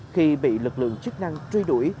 khi bị lực lượng chức năng truy đuổi